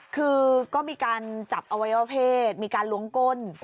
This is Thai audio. คือก็มีการจับอวัยวะเพศมีการล้วงก้น